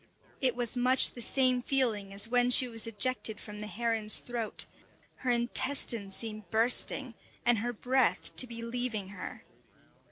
It was much the same feeling as when she was ejected from the heron's throat; her intestines seem bursting, and her breath to be leaving her.